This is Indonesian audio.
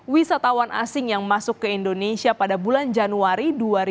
wisatawan asing yang masuk ke indonesia pada bulan januari dua ribu dua puluh